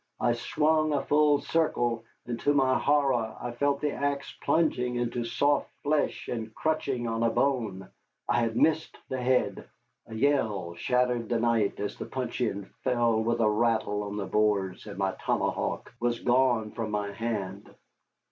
I swung a full circle and to my horror I felt the axe plunging into soft flesh and crunching on a bone. I had missed the head! A yell shattered the night as the puncheon fell with a rattle on the boards, and my tomahawk was gone from my hand.